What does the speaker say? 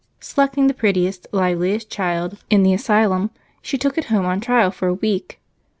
Selecting the prettiest, liveliest child in the Asylum, she took it home on trial for a week.